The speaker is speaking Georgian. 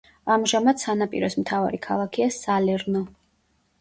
ამჟამად სანაპიროს მთავარი ქალაქია სალერნო.